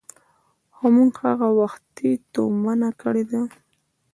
خو موږ هغه وختي تومنه کړي دي.